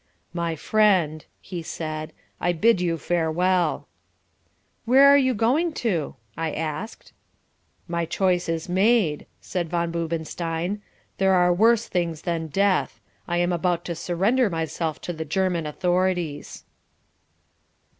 "My friend," he said. "I bid you farewell." "Where are you going to?" I asked. "My choice is made," said Von Boobenstein. "There are worse things than death. I am about to surrender myself to the German authorities."